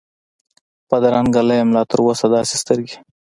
بدرنګه نه یم لا تراوسه داسي سترګې،